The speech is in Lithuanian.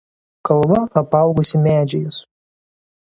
Kalva apaugusi medžiais.